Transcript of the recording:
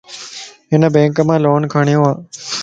ھن بينڪ مان لون کَڙيوَ